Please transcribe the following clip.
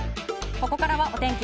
ここからはお天気